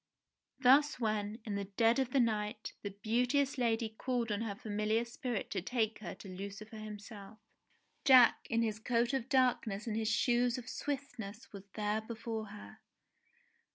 Thus when, in the dead of the night, the beauteous lady called on her familiar spirit to take her to Lucifer himself, Jack in his coat of darkness and his shoes of swiftness was there before her.